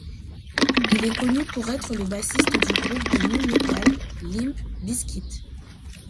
Il est connu pour être le bassiste du groupe de nu metal Limp Bizkit.